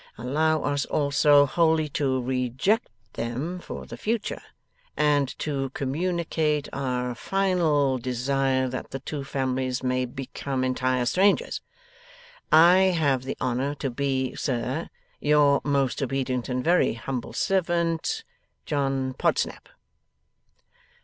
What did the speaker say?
Allow us also, wholly to reject them for the future, and to communicate our final desire that the two families may become entire strangers. I have the honour to be, Sir, your most obedient and very humble servant, JOHN PODSNAP.